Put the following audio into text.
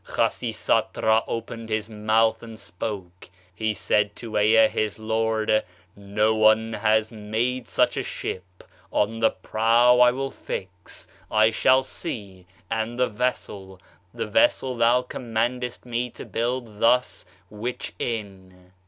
Khasisatra opened his mouth and spoke; he said to Ea, his lord: "No one has made [such a] ship. On the prow I will fix ... I shall see ... and the vessel ... the vessel thou commandest me to build [thus] which in...."